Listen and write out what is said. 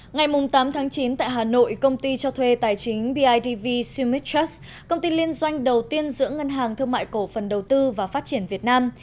ngày tám chín tại hà nội công ty cho thuê tài chính bidv cumit trass công ty liên doanh đầu tiên giữa ngân hàng thương mại cổ phần đầu tư và phát triển việt nam